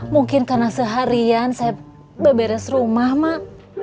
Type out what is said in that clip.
mungkin karena seharian saya berberes rumah mak